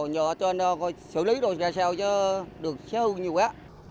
nhờ cho nó xử lý rồi ra sao cho được xe hư nhiều quá